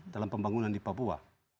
dalam pembangunan di papua